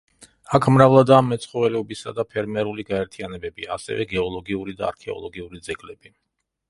აქ მრავლადაა მეცხოველეობისა და ფერმერული გაერთიანებები, ასევე გეოლოგიური და არქეოლოგიური ძეგლები.